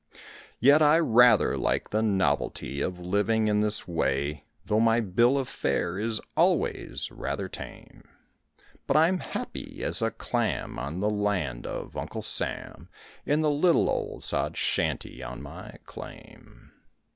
Yet, I rather like the novelty of living in this way, Though my bill of fare is always rather tame, But I'm happy as a clam on the land of Uncle Sam In the little old sod shanty on my claim.